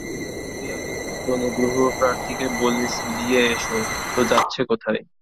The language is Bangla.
শশী বাহির হইয়া গেলে অনুগ্রহপ্রার্থীকে বলে, শুধিয়ে এসো তো যাচ্ছে কোথায়?